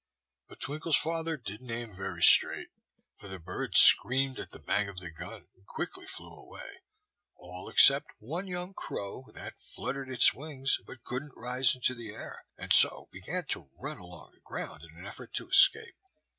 But Twinkle's father didn't aim very straight, for the birds screamed at the bang of the gun and quickly flew away all except one young crow that fluttered its wings, but couldn't rise into the air, and so began to run along the ground in an effort to escape.